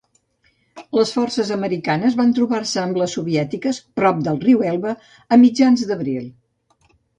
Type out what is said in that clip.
Les forces americanes van trobar-se amb les soviètiques prop del riu Elba a mitjans d'abril.